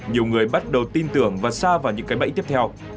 nhiều người bắt đầu tin tưởng và xa vào những cái bẫy tiếp theo